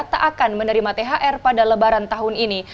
tak akan menerima thr pada lebaran tahun ini